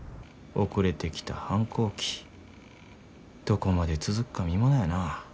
遅れてきた反抗期どこまで続くか見ものやな。